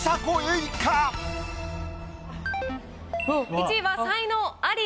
１位は才能アリです。